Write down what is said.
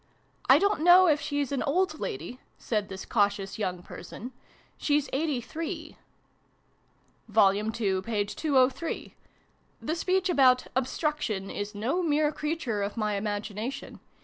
" I don't know if she's an old lady," said this cautious young person ;" she's eighty three." II. p. 203. The speech about 'Obstruction' is no mere creature of my imagination